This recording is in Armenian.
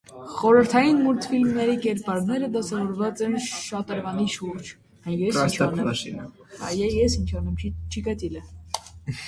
Խորհրդային մուլտֆիլմի կերպարները դասավորված են շատրվանի շուրջ։